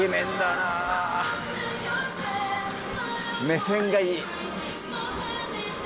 目線がいい！